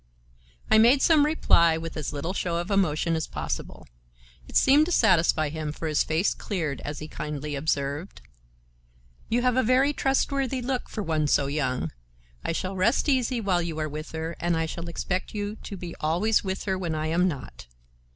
I made some reply with as little show of emotion as possible. It seemed to satisfy him, for his face cleared as he kindly observed: "You have a very trustworthy look for one so young. I shall rest easy while you are with her, and I shall expect you to be always with her when I am not.